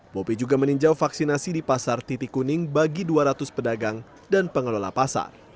bopi juga meninjau vaksinasi di pasar titik kuning bagi dua ratus pedagang dan pengelola pasar